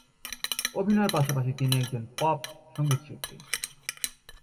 অভিনয়ের পাশাপাশি তিনি একজন পপ সঙ্গীতশিল্পী।